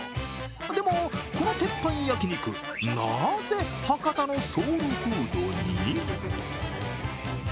でも、この鉄板焼肉なぜ博多のソウルフードに？